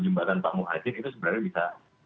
jembatan pak muhajir itu sebenarnya bisa